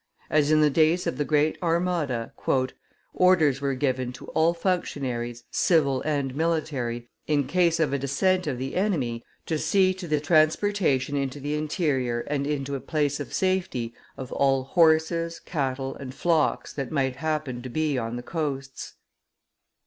As in the days of the Great Armada, "orders were given to all functionaries, civil and military, in case of a descent of the enemy, to see to the transportation into the interior and into a place of safety of all horses, cattle, and flocks that might happen to be on the coasts."